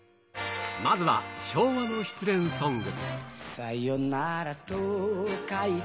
まずは昭和の失恋ソング。